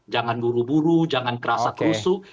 jangan buru buru jangan kerasa kerusuk